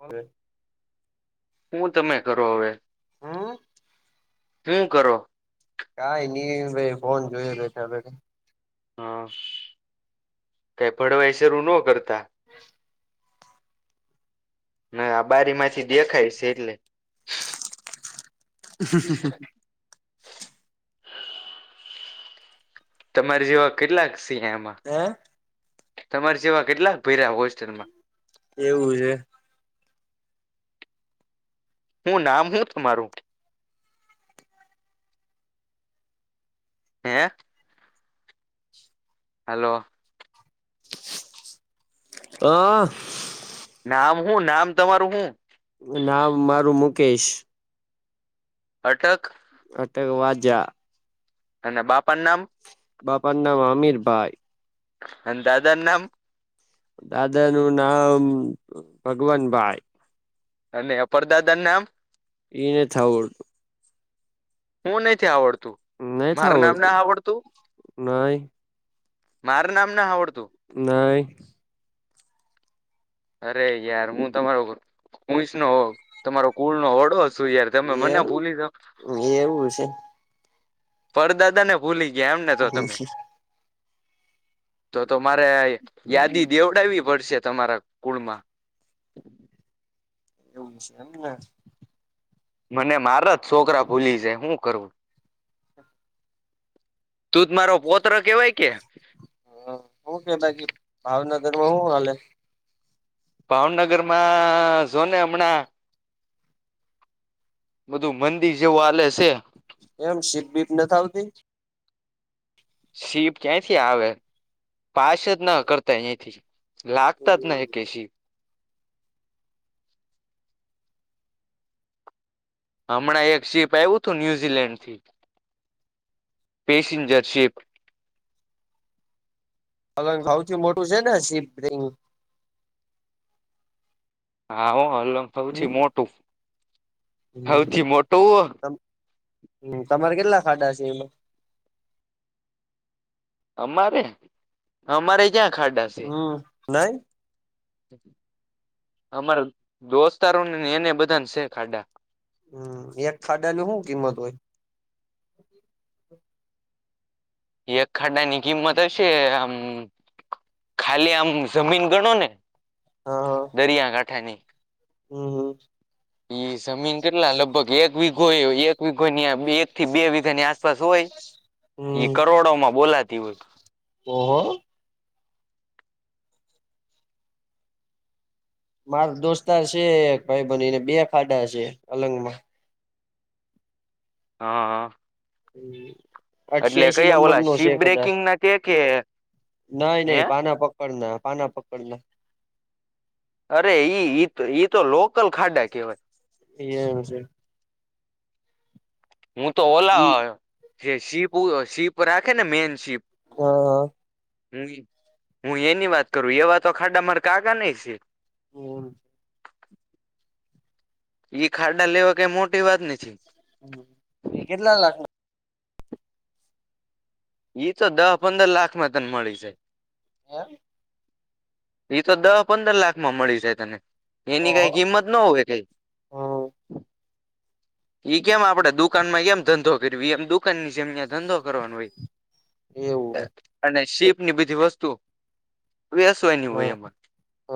હ હું તમે કરો હવે હું કરો કઈ નહી ભાઈ ફોન જોઈએ બેઠ હા કઈ ફડવા છે રઋનવો કરતા હા ના આ બારી માંથી દેખાય છે એટલે હ હ તમારી જેવા કેટલાક સિહ એમાં તમારી સેવા કેટલાક ભેર્યા હોસ્ટેલમાં એવું છે હું નામ હું તમારું હે હલો હા આમ હું નામ તમારું હું નામ મારું મુકેશ અટક અટક વાજા અને બાપાનું નામ બાપા નામ અમીર ભાઈ અન દાદા નું નામ દાદા નું નામ ભગવાનભાઈ અને એ પર દાદનું નામ એ નથી આવડતું હું નથી આવડતું મારું નામ ના આવડતું નઈ માર નામ ના આવડ નઈ અરે યાર હું તમારો કસ નો તમારો કુળ નો હોડો શું યાર તમે એ મને ભૂલી જા એવું છે પરદાદાને ભૂલી ગયા એમને તો તમે તો મારે યાદી દેવડાવવી પડશે તમારા કુળમાં એવું છે એમને મને મારા જ છોકરા ભૂલી જાય હું કરવું તૂધ મારો પોત્ર કેવાય કે રમાં હું હલે ભાવનગરમાં જો ને હમણાં બધું મંદિર જેવું આલે છે એમ સીપ બીપ નથી આવતી શીપ ક્યાંથી આવે પાછ જ ના કરતા અહીથી લાગત ન એ કેશ હમણાં એક જીપ આવ્યું હતું ન્યુઝીલેન્ડથી પેસિંજર શિપ પગન સૌથી મોટું છે ને શીપ રિંગ હા હમ અલંગ સૌથી હમ મોટું સૌથી મોટું હમ તમારે કેટલા ખાડા છે એમાં અમારે અમારે જં હમ નઇ અમારા દોસ્તારો ને એને બધાને છેે ખાડા હમ એક ખાડાની હુ કિંમત હોય એક ખાડાની કિંમત હશે આમ ખાલી આમ જમીન ગણો ને દરિયાકાઠાની હમ હમ ઈ જમીન કેટલા લગભગ એક વીઘો એ એક વીઘોની એક થી બે વિઘાની આસપાસ હોય ઈ હમ કરોડોમાં બોલાતી હોય ઓહો માર દોસ્તાર છે ભાઈ બનીને બે ખાડા છે અલંગમાં હા હા હમ અઠ્યાસી નંબર ઓલા નો છે શીપ કદાચ બ્રેકિંગ ના કે કે નહી હે નહી પાના પ પકડના પાના પકડના અરે ઈ ઈ ઈ તો લોકલ ખાડા કેવાય એ હ છે હું તો ઈ ઓલા જે શીપ શીપ રાખે ને મેન શીપ હા હા હ હું એની વાત કરું એવા તો ખાડા માડકાગા નહ છે એ ઈ ખાડા લેવા કઈ મોટી વાત નથી હ એ કેટલા લાગ ઈ તો દહ પંદર લાખમાં તને મળી જાય હ એઈ તો દહ પંદર લાખમાં મળી જાય તને એની ઓહો કઈ કિંમત ન હોવે કઈ હમ એ કેમ આપડે દુકાનમાં કેમ ધંધો કરવી એમ દુકાન ની જમ્યા ધંધો કરવાનું હોય એવું અને શીપ ની બધી વસ્તુ વેસવાયની હ હોય એમાં હ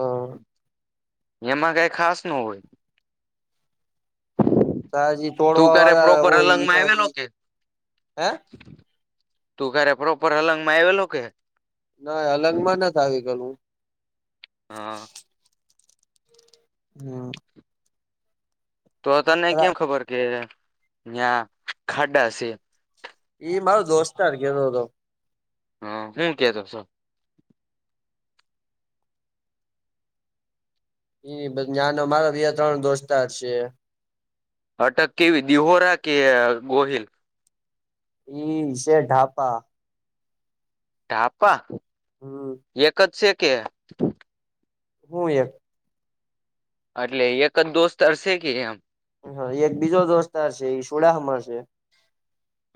એમાં કઈ ખાસ ન હોય તજી તું તોડવા ક્યારે વાળા પ્રોપર હોય અલંગ માં એમાં આવેલો કે હે તું કરે પ્રોપર હલંગ માં આવેલો કે ના અલંગ માં નથી આવી ગયલ હું હા હમ તો તને તરા કેમ ખબર કે જ્યાં ખાડા છે એ મારો દોસ્તાર કેતો હતો. હા હું કેતો તો? એ નાનો મારા બે ત્રણ દોસ્તર છે. અટક કેવી દિહોરા કે ગોહિલ? એઈ છે ઢાપા ઢાપા હમ એક જ છે કે? હું એક? એટલે એક જ દોસ્ત હરશે કે એમ. હા એ એક બીજો દોસ્તાર છે એ સુડાહમાર સે.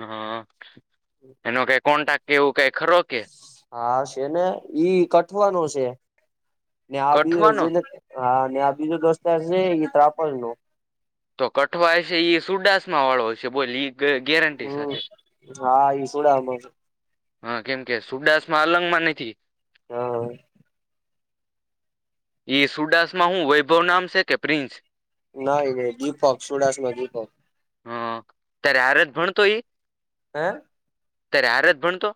હા એનો કઈ કોન્ટાક કેવું કઈ ખરો કે? હા છે ને ઈ કઠવાનો છે ને આ બી કઠવાનો જેને હા અને આ બીજો દોસ્ત છે એ ત્રાપર નો. તો કઠવાય છે એ સુડાસમાં વાળો છે બોલ ગેરંટી હમ સાથે. હા એ સુડા હા કેમ કે સુડાાસ માં અલંગમાં નથી હા એ સુડાાસ માં હું વૈભવ નામ છે કે પ્રિન્સ ના જીપ હક સુડાસમાં જીપક હા ત્યારે આરત ભણતો એ હ ત્યારે આરત ભણતો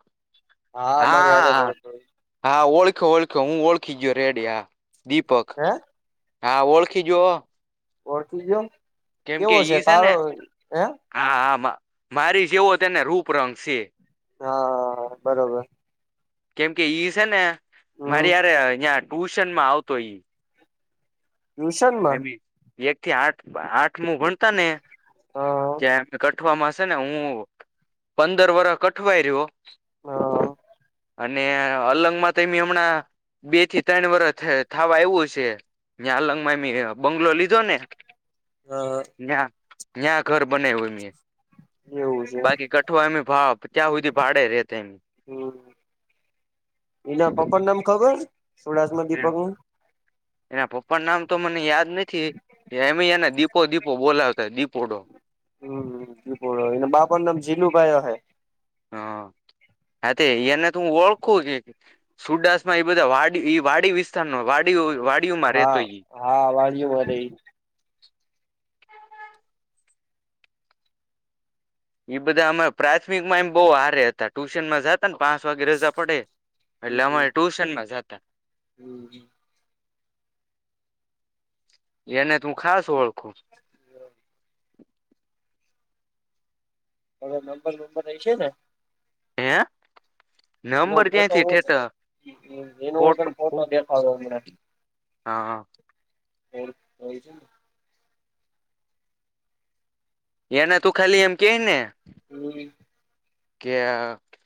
હા મારી હારે હા ભણતો હા ઓળખ ઓળખ ઓળખો હું ઓળખીજયો રેડી હા દીપક હે હા ઓળખીજો ઓ થજયમ કેમ કે ઈ છે ને હા આ મારી જેવો તેને રૂપ રંગ છે. હા બરોબર. કેમ કે ઈ છે ને મારે હમ યાર અહં ટ્યુશનમાં આવતો ઈ. ટ્યુશનમાં? આઈ મીન એક થી આઠ આઠ મુ ગણતા ને હા ત કઠવામાંશે ને હું પંદર વરષ અઠવાય રહ્યો. હા અને અલંગમાં તો એમ હમણાં બે થી ત્રણ વર્ષ થવા આવું છે. યાલંગમાં એ બંગલો લીધો ને. હ. ન્યા ન્યા ઘર બનવયું મે. એવું છે બાકી કઠો એમ ભાવ ત્યાં સુધી ભાડે રેતો એમ? બીજા પપ્પા નામ ખબર? સુડાસમાં દીપક એમ નું? એના પપ્પા નામ તો મને યાદ નથી એમ એના દીપો દીપો બોલાવતા દીપોડો. હમ એ બાપા નામ જીલુ ભાયો હૈ. હા. હા તે એને હું ઓળખું કે સુડાસ માં એ બધાડી વાડી વિ વિસ્ વાડી વાડીઓમાં હા રહેતો જ. હા વાળીયુ રે એ બધા અમા પ્રાથમિકમાં એમ બહુ હારે હતા ટુશન માં જાતા ને પાંચ વાગે રજા પડે એટલે હવે અમારે ટ્યુશન માં જતા. [inaudible] એને તું ખાસ ઓળખું. હવે નંબર નંબર હ છે ને? હે? એનો નંબર ફોટો ત્યાંથી હ ઠેઠ એનો હ કોટ તને ફોટો દેખાડું હમણાં. હા કોર હો છે. એને તું ખાલી એમ કે ને હમ્મ. કે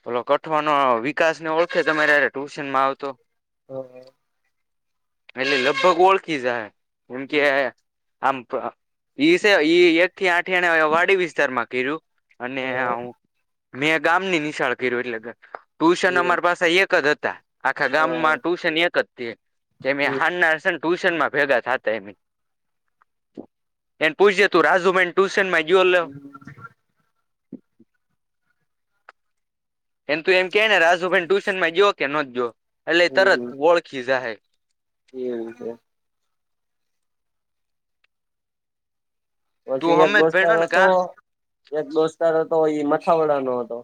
પલો કઠવાનો વિકાસને ઓળખે તમારે ટ્યુશનમાં આવતો. [inaudible] એટલે લગભગ ઓળખી જાય એમ કે હમ આમ પા ઈ સ ઈ એક થી આઠણે વાડી વિસ્તારમાં કર્યું અને હા હું મેં ગામ ની નિશાળ કર્યો એટલે ટુશન એવું અમાર પાસે એક જ હતા. આખા હા ગામમાં ટુશન એક જ છે જેમે હમ હના સા ટ્યુશનમાં ભેગા થતા એ એને પૂછ્યું તું રાજુબહેન ટુશન માં જ્યોલો હમ એન તું એમ કે ને રાજુભાઈ ટ્યુશન માં જયો કે નો જ્યો એટલે તરત ઓળખી જાહે. એવુ હૂતો. તું પછી એક હમે જ દોસ્તાર ભણ્યો ને હતો કા એક દોસ્તાર હતો એ મથાવડા નો હતો.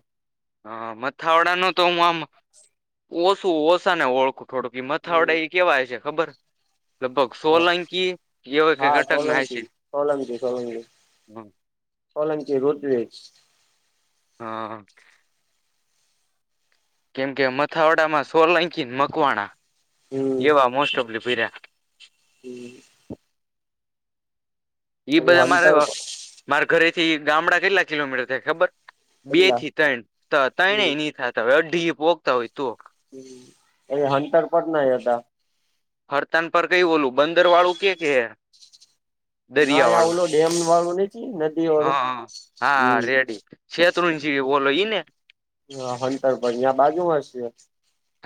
હા મથાવડા નો તો હું આમ ઓછું ઓછા ને ઓળખુ. થોડુંક હમ મથાવડા એ કેવાય છે ખબર? લગભગ સોલંકી એવ કે હા અટક ના હાઇસે. સોલંકી સોલંકી સોલંકી હમ્મ. સોલંકી રોજવેજ હા. કેમ કે મથાવડામાં સોલંકીને મકવાણા હમ એવા મોસ્ટ ઓફલી ઉભી રાખ. [inaudible] ઈ બધા મારે હંતર વા મારા ઘરેથી ગામડા કેટલા કિલોમીટર થયા ખબર. બે કેટલા થી ત્રણ ત્રણે હમ નહી થાતા અઢી પોગતા હોય તો. હ એ હંન્ટર પર ના હતા. હરતાન પર કઈ બોલું બંદર વાળું કે કે [inaudible] ના દરિયા આ વાળું ઓલો ડેમ વાળું નથી નદી વાળું હા-હા હમ રેડી છે. તું મ જે બોલો ઈ ને. હા હંતરભાઈં બાજુ માં શે.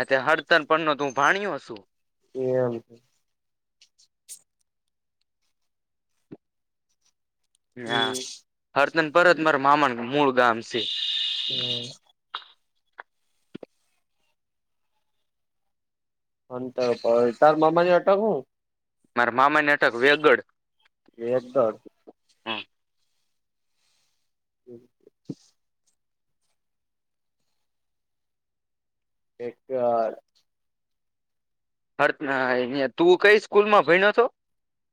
ત્યાં હડતર પરનો તું ભાણ્યો હોતુ. એમ હા હમ હર્તન પરત માર મામાન મૂળ ગામ છે. હમ્મ. અ તો તાર મામાજી અટક હું. મારા મામા ની અટક વેલગડ એકદર હમ્મ. [inaudible] એક વાર હરતા આઈ ગયા તું કઈ સ્કૂલ માં ભયનો હતો.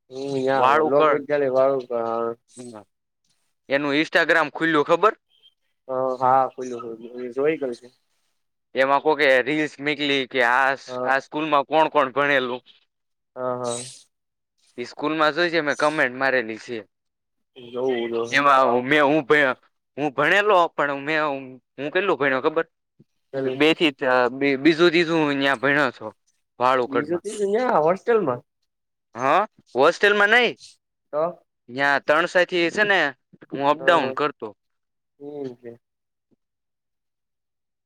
હમ્મ યાં વાળુકળ લોકવિદ્યાલય વાળું આ એનું ઇન્સ્ટાગ્રામ ખુલ્યું ખબર. હો હા ખોલ્યું હતો જોઈ [unintelligible] એમાં કોકે રીલ્સ નીકલી કે આ હા આ સ્કૂલમાં કોણ કોણ ભણેલું. હા હા. એ સ્કૂલમાં જોય છે મેં કમેન્ટ મારેલી છે જોવું જો એમાં મે હું હું ભણે હું ભણેલો પણ મેં હું કેટલો ભણ્યો ખબર ચાલું બેથી બીજું તીજું હું ત્યાં ભણ્યો છો. બીજું વાળુકડમાં ત્રીજું ત્યાં હોસ્ટેલમાં. હા હોસ્ટેલમાં નઈ તો ત્યાં ત્રણ સાથી છે ને હું અપડાઉન હા કરતો. હમ છે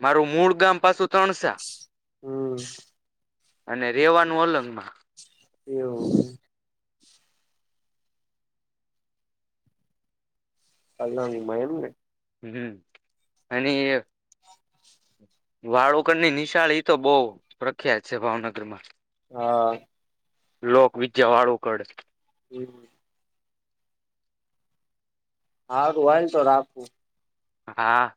મારું મૂળ ગામ પાછું ત્રણસા. હમ્મ. અને રેવાનું અલંગ માં. એવું. અલગ મા એમ ને હમ્મ [inaudible] અને વાળુકરની નિશાળ એ તો બહું પ્રખ્યાત છે ભાવનગર માં. હા. લોકવિજ્યા વાળું કરડે. હમ. હા ગોવાળ શો આપ હા.